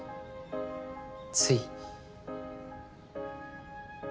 つい。